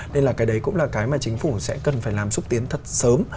nên là cái đấy cũng là cái mà chính phủ sẽ cần phải làm xúc tiến thật sớm